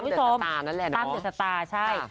ตั้มเดือดสตาร์นั่นแหละเหรอตั้มเดือดสตาร์ใช่